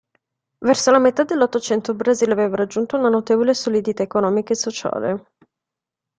Verso la metà dell'Ottocento il Brasile aveva raggiunto una notevole solidità economica e sociale.